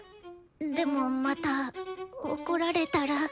でもまた怒られたら。